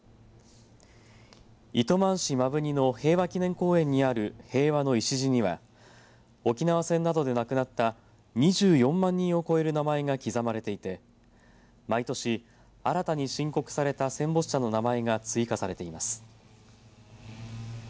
糸満市摩文仁の平和祈念公園にある平和の礎には沖縄戦などで亡くなった２４万人を超える名前が刻まれていて毎年、新たに申告された戦没者の名前が追加されています。